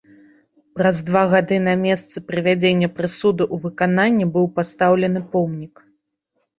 Праз два гады на месцы прывядзення прысуду ў выкананне быў пастаўлены помнік.